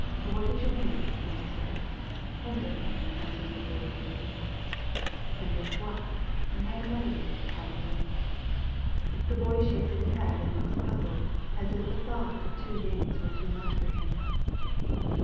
"What is your name, youngster?" "Hendrik," answers the boy, looking up. "Hendrik what? You have another name, haven't you?" The boy shakes his head and looks puzzled, as if the thought of two names were too much for him.